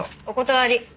お断り。